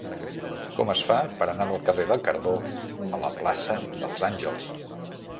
Com es fa per anar del carrer de Cardó a la plaça dels Àngels?